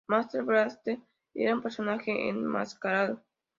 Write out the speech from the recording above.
Master Blaster era un personaje enmascarado.